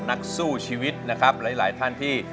นักสู้ชีวิตนะครับหลายท่านที่